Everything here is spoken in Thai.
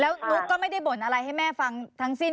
แล้วนุ๊กก็ไม่ได้บ่นอะไรให้แม่ฟังทั้งสิ้น